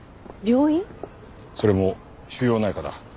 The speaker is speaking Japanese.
それも腫瘍内科だ。